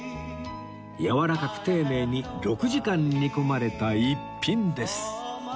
やわらかく丁寧に６時間煮込まれた逸品です